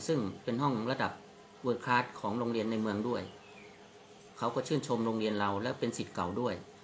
ซึ่งเป็นห้องระดับเวอร์คลาสของโรงเรียนในเมืองด้วยเขาก็ชื่นชมโรงเรียนเราและเป็นสิทธิ์เก่าด้วย